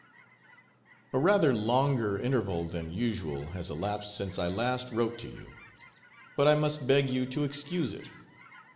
A rather longer interval than usual has elapsed since I last wrote to you, but I must beg you to excuse it.